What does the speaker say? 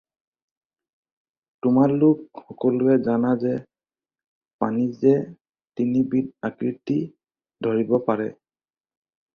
তোমালোক সকলোৱে জানা যে পানীযে তিনি বিধ আকৃতি ধৰিব পাৰে